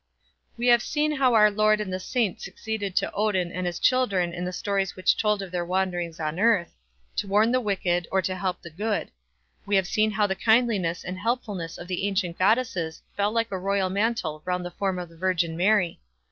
We have seen how our Lord and the saints succeeded to Odin and his children in the stories which told of their wanderings on earth, to warn the wicked, or to help the good; we have seen how the kindliness and helpfulness of the ancient goddesses fell like a royal mantle round the form of the Virgin Mary.